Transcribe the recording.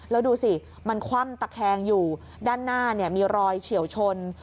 แล้วดูสิมันคว่ำตะแคงอยู่ด้านหน้ามีรอยเฉียวชน